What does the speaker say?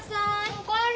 お帰り！